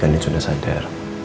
andin sudah sadar